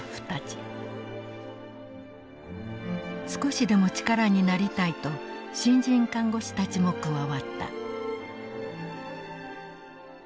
少しでも力になりたいと新人看護師たちも加わった。